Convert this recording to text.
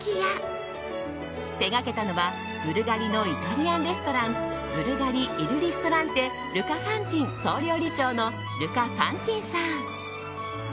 手がけたのはブルガリのイタリアンレストランブルガリ・イル・リストランテルカ・ファンティン総料理長のルカ・ファンティンさん。